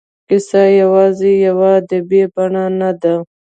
کیسه یوازې یوه ادبي بڼه نه ده.